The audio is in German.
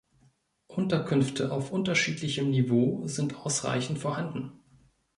Unterkünfte auf unterschiedlichem Niveau sind ausreichend vorhanden.